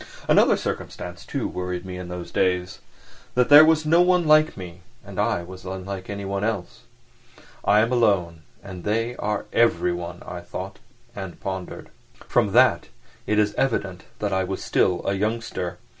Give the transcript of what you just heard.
Another circumstance, too, worried me in those days: that there was no one like me and I was unlike anyone else. "I am alone and they are everyone," I thought—and pondered. From that it is evident that I was still a youngster.